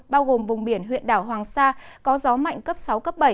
bao gồm vùng biển huyện đảo hoàng sa có gió mạnh cấp sáu cấp bảy